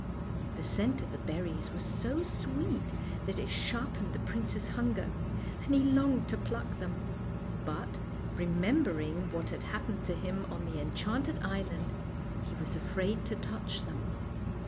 The scent of the berries was so sweet that it sharpened the prince's hunger, and he longed to pluck them; but, remembering what had happened to him on the enchanted island, he was afraid to touch them.